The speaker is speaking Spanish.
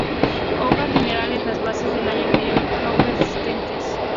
Hojas lineares, las bases del año anterior no persistentes.